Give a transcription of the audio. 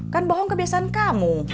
kan bohong kebiasaan kamu